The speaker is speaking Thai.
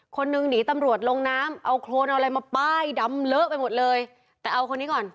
คนนึงหนีตำรวจลงน้ำเอาโครนเอาอะไรมาป้ายดำเลอะไปหมดเลยแต่เอาคนนี้ก่อน